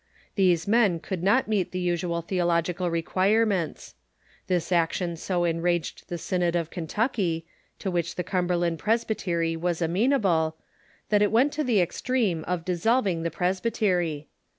These men could not meet the usual theological requirements. This action so enraged the Synod of Kentuck}^, to which the Cumberland Presbytery was amenable, that it went to the extreme of dissolving the Presby tery.